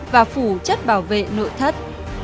và phủ chất bảo vệ nội thất